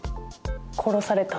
殺された。